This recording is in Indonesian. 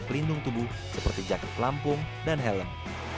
dan pelindung tubuh seperti jaket lampung dan helm